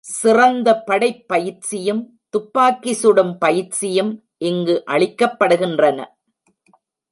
சிறந்த படைப் பயிற்சியும், துப்பாக்கி சுடும் பயிற்சியும் இங்கு அளிக்கப்படுகின்றள.